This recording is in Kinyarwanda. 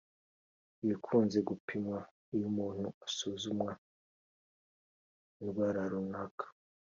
ibikunze gupimwa iyo umuntu asuzumwa indwara runaka